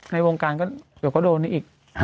ในวงการก็เดี๋ยวก็โดนอีก